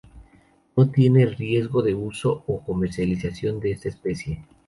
No se tiene registro de uso o comercialización de esta especie.